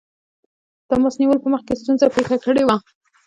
د تماس نیولو په مخ کې ستونزه پېښه کړې وه.